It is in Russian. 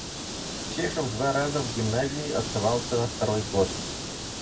Чехов два раза в гимназии оставался на второй год.